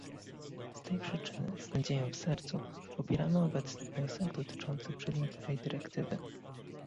Z tej przyczyny, z nadzieją w sercu, popieramy obecny wniosek dotyczący przedmiotowej dyrektywy